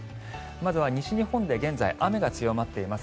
まずは西日本で現在、雨が強まっています。